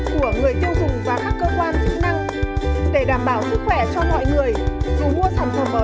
của người tiêu dùng và các cơ quan chức năng để đảm bảo sức khỏe cho mọi người dù mua sản phẩm